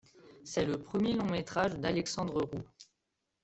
C'est le premier long-métrage d'Alexandre Rou.